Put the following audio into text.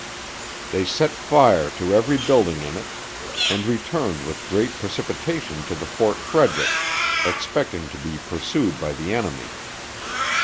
They set fire to every building in it, and returned with great precipitation to the Fort Frederick, expecting to be pursued by the enemy.